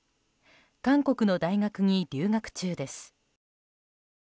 韓国の大学に留学中です。